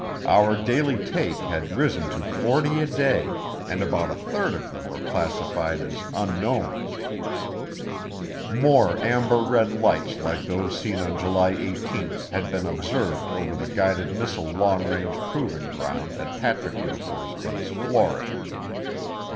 Our daily take had risen to forty a day, and about a third of them were classified as unknowns. More amber red fights like those seen on July 18 had been observed over the Guided Missile Long Range Proving Ground at Patrick AFB, Florida.